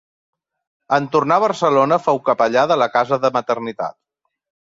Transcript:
En tornar a Barcelona fou capellà de la Casa de Maternitat.